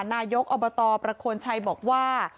นายกอบตประโคนชัยบอกว่า